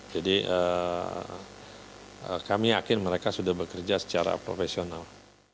jadi kami yakin mereka sudah bekerja secara profesional